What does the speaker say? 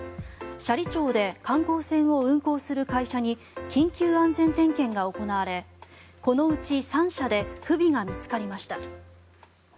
斜里町で観光船を運航する会社に緊急安全点検が行われこのうち３社で不備が見つかりました。